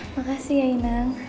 makasih ya inang